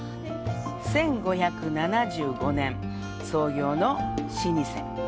１５７５年創業の老舗。